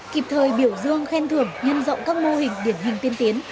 kịp thời biểu dương khen thưởng nhân rộng các mô hình điển hình tiên tiến